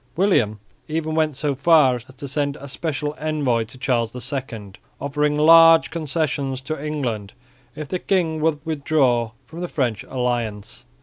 William even went so far as to send a special envoy to Charles II, offering large concessions to England, if the king would withdraw from the French alliance.